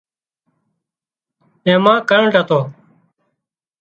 اين مان ڪرنٽ هتو